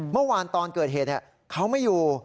เมื่อวานตอนเกิดเหตุเขาไม่อยู่